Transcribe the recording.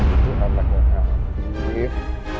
itu anaknya afif